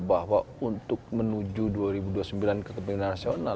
bahwa untuk menuju dua ribu dua puluh sembilan ke kepemimpinan nasional